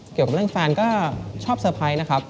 เกี่ยวกับเรื่องแฟนก็ชอบเซอร์ไพรส์นะครับ